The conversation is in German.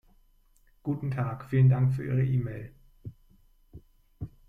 Guten Tag, vielen Dank für Ihre E-Mail.